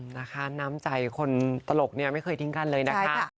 นะคะน้ำใจคนตลกเนี่ยไม่เคยทิ้งกันเลยนะคะ